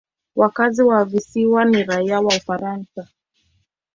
Wakazi wa visiwa ni raia wa Ufaransa.